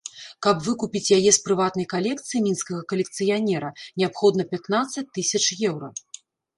Каб выкупіць яе з прыватнай калекцыі мінскага калекцыянера, неабходна пятнаццаць тысяч еўра.